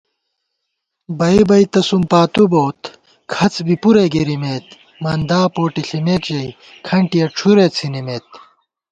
بَئ بَئ تہ سُم پاتُو بوت، کھڅ بی پُرے گِرِمېت * مندا پوٹےݪِمېکژَئی کھنٹِیَہ ڄُھرےڅِھنِمېت